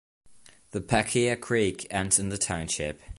The Pequea Creek ends in the township.